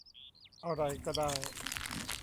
อะไรก็ได้